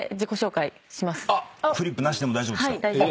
フリップなしでも大丈夫ですか。